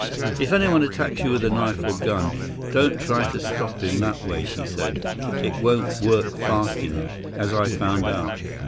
"If anyone attacks you with a knife or gun, don't try to stop him that way," he said. "It won't work fast enough, as I found out.